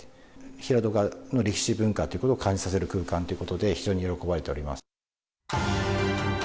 平戸の歴史文化ということを感じさせる空間ということで、非常に喜ばれております。